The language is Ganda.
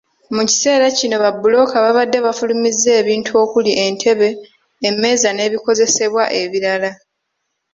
Mu kiseera kino babbulooka baabadde bafulumizza ebintu okuli entebe, emmeeza n’ebikozesebwa ebirala.